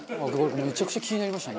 「めちゃくちゃ気になりましたね」